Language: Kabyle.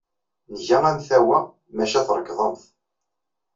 Nga amtawa, maca trekḍem-t.